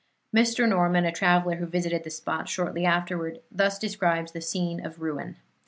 Mr. Norman, a traveler who visited the spot shortly afterward, thus describes the scene of ruin.